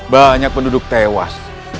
banyak penduduk tewas